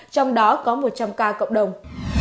trong đó có một trăm linh ca cộng đồng